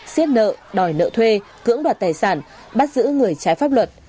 xiết nợ đòi nợ thuê cưỡng đoạt tài sản bắt giữ người trái pháp luật